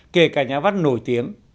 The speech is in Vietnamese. kể cả nhà văn nổi tiếng